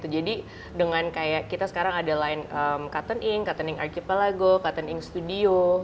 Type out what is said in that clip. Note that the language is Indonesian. jadi dengan kayak kita sekarang ada line katten inc katten inc archipelago katten inc studio